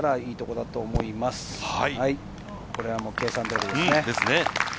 これは計算通りですね。